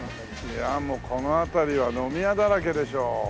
いやあもうこの辺りは飲み屋だらけでしょう。